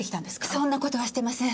そんな事はしてません。